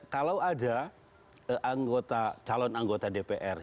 kalau ada anggota calon anggota dpr